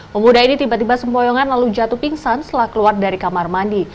pemuda ini tiba tiba sempoyongan lalu jatuh pingsan setelah keluar dari kamar mandi